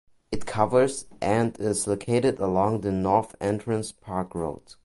It covers and is located along the North Entrance Park Road.